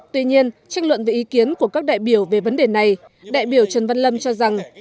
tuy nhiên trách luận về ý kiến của các đại biểu về vấn đề này đại biểu trần văn lâm cho rằng